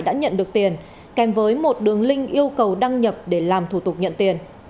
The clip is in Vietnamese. đã nhận được tiền kèm với một đường link yêu cầu đăng nhập để làm thủ tục nhận tiền